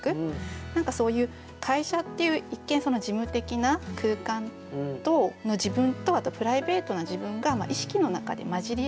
何かそういう会社っていう一見事務的な空間の自分とあとプライベートな自分が意識の中で混じり合う。